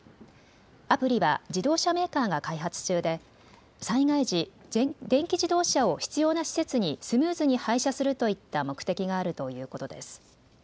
アプリは自動車メーカーが開発中で災害時、電気自動車を必要な施設にスムーズに配車するといった目的があるということです。